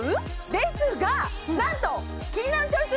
ですがなんと「キニナルチョイス」